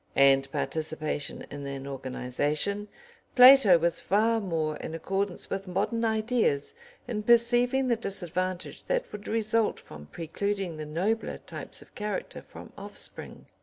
] and participation in an organisation, Plato was far more in accordance with modern ideas in perceiving the disadvantage that would result from precluding the nobler types of character from offspring.